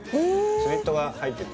スリットが入ってて。